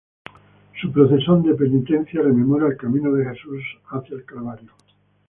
Su procesión de penitencia rememora el camino de Jesús hacia el Calvario.